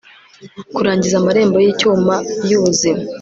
kurangiza amarembo yicyuma yubuzima